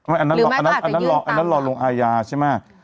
อันนั้นรอลงอายาใช่ไหม